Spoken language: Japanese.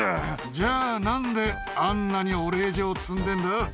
じゃあ、なんで、あんなにお礼状、積んでんだ？